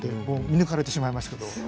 もう見抜かれてしまいましたけど。